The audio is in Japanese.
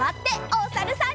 おさるさん。